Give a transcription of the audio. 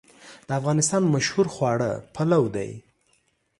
د افغانستان مشهور خواړه پلو دی